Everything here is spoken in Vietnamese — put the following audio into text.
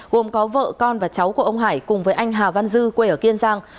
gồm có vợ con và cháu của ông hải cùng với anh hà văn dư quê ở kiên giang